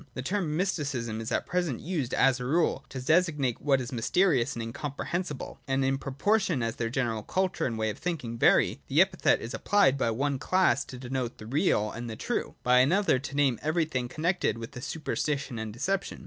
The term Mysticism is at present used, as a rule, to designate what is mysterious and incomprehensible : and in propor tion as their general culture and way of thinking vary, the epithet is applied by one class to denote the real and the true, by another to name everything connected with super stition and deception.